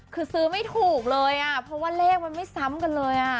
คือซื้อไม่ถูกเลยอ่ะเพราะว่าเลขมันไม่ซ้ำกันเลย